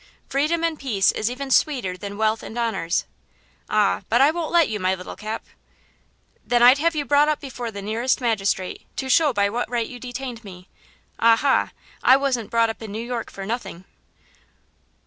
Freedom and peace is even sweeter than wealth and honors." "Ah, but I won't let you, my little Cap." "Then I'd have you up before the nearest magistrate, to show by what right you detained me. Ah, ha! I wasn't brought up in New York for nothing."